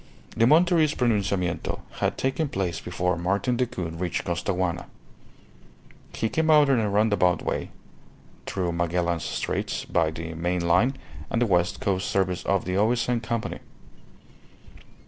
The Monterist pronunciamento had taken place before Martin Decoud reached Costaguana. He came out in a roundabout way, through Magellan's Straits by the main line and the West Coast Service of the O.S.N. Company.